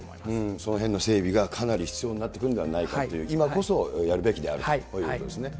そのへんの整備がかなり必要になってくるんではないかという、今こそやるべきであると、こういうことですね。